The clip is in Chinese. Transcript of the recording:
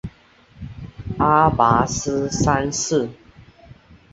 阿拔斯三世。